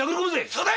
そうだ！